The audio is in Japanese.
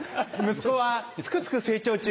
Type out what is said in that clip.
息子はすくすく成長中。